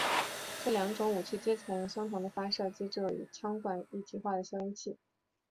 这两种武器皆采用相同的发射机制和与枪管一体化的消音器。